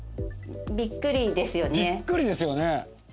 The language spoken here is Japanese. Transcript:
びっくりですよね？